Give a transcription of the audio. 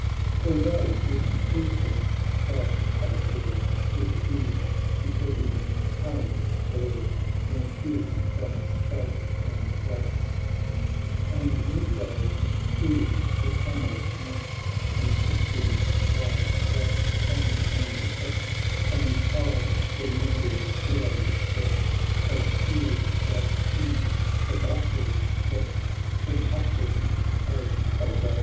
667 XYIII All day with fruitless strife they toiled, "With eve the ebbing currents boiled More fierce from strait and lake ; And midway through the channel met Conflicting tides that foam and fret, And high their mingled billows jet, As spears, that, in the battle set, Spring upward as they break.